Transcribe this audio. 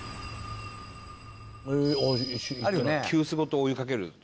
急須ごとお湯かける。